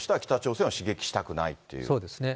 そうですね。